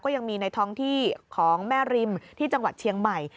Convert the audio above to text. ยังมีในท้องที่ของแม่ริมที่จังหวัดเชียงใหม่